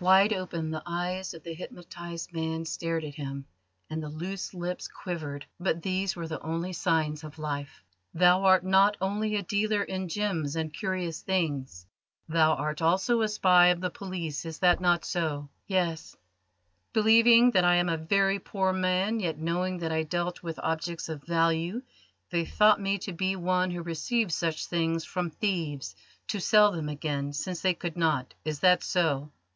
Wide open the eyes of the hypnotised man stared at him, and the loose lips quivered, but these were the only signs of life. "Thou art not only a dealer in gems and curious things: thou art also a spy of the police; is not that so?" "Yes." "Believing that I am a very poor man, yet knowing that I dealt with objects of value, they thought me to be one who receives such things from thieves to sell them again, since they could not. Is that so?"